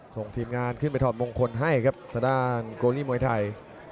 ส่งทีมงานขึ้นไปถอดมงคลให้ครับทางด้านโกลีมวยไทย